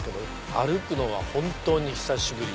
歩くのは本当に久しぶり。